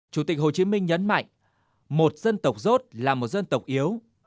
chủ tịch hồ chí minh nhấn mạnh một dân tộc rốt là một dân tộc yếu